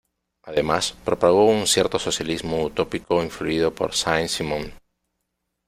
Además, propagó un cierto socialismo utópico influido por Saint-Simon.